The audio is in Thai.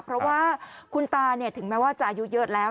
เพราะว่าคุณตาถึงแม้ว่าจะอายุเยอะแล้ว